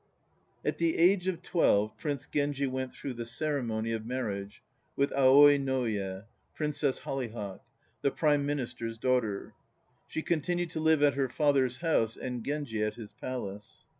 AT the age of twelve Prince Genji went through the ceremony of marriage with Aoi no Uye (Princess Hollyhock), the Prime Minister's daughter. She continued to live at her father's house and Genji at his palace.